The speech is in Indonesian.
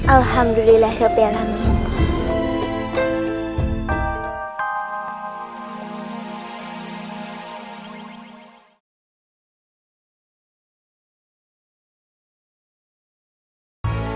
alhamdulillah rupiah nami